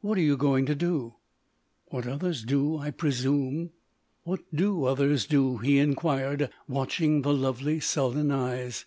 "What are you going to do?" "What others do, I presume." "What do others do?" he inquired, watching the lovely sullen eyes.